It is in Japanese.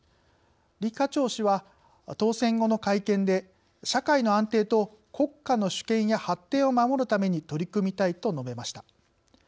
李家超氏は当選後の会見で「社会の安定と国家の主権や発展を守るために取り組みたい」と述べました。